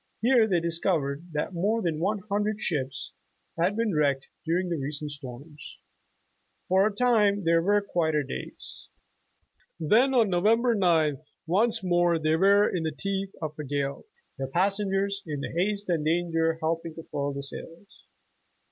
Here they discovered that more than one hundred ships had been wrecked during the recent storms. For a time there were quieter days, then on Novem 27 The Original John Jacob Astor ber 9th, once more they were in the teeth of a gale, the passengers in the haste and danger helping to furl the sails.